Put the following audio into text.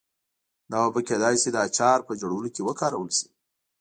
دا اوبه کېدای شي د اچار په جوړولو کې وکارول شي.